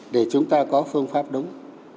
để chúng ta có phương pháp đúng